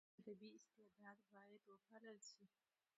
ادبي استعداد باید وپالل سي.